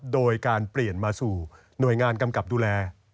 โดยการเปลี่ยนมาสู่หน่วยงานกำกับดูแล